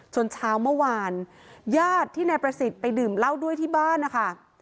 เช้าเมื่อวานญาติที่นายประสิทธิ์ไปดื่มเหล้าด้วยที่บ้านนะคะ